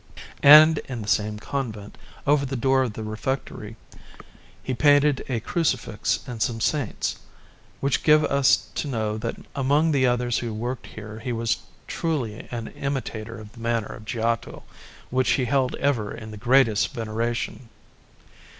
And in the same convent, over the door of the refectory, he painted a Crucifix and some Saints, which give us to know that among the others who worked here he was truly an imitator of the manner of Giotto, which he held ever in the greatest veneration.